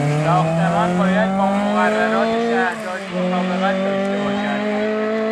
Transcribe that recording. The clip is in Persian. ساختمان باید با مقررات شهرداری مطابقت داشته باشد.